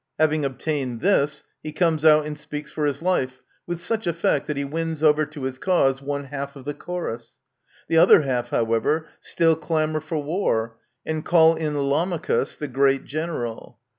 Having obtained this, he comes out and speaks for his life, with such effect that he wins over to his cause one half of the Chorus. The other half, however, still clamour for war, and call in Lamachus, the great general.